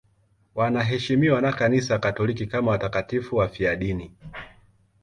Wanaheshimiwa na Kanisa Katoliki kama watakatifu wafiadini.